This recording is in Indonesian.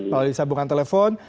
kalau disabungkan telepon